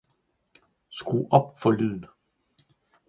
Skru op for lyden